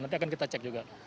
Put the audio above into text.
nanti akan kita cek juga